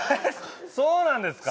そうなんですか？